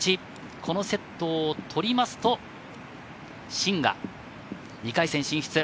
このセットを取りますとシンが２回戦進出。